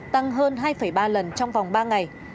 tăng hơn hai ba lần trong vòng ba ngày